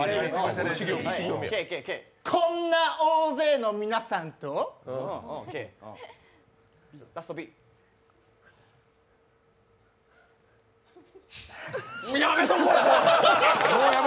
こんな大勢の皆さんとやめとこ！